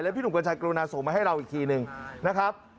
พี่หนุ่มกัญชัยกรุณาส่งมาให้เราอีกทีหนึ่งนะครับ